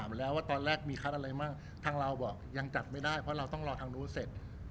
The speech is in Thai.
ไม่มีคาร์ดอะไรมั่งทางเราบอกยังจัดไม่ได้เพราะเราต้องรอทางโน้นเสร็จ